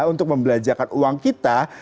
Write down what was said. untuk membelajarkan uang kita